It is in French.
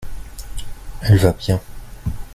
elle va bien.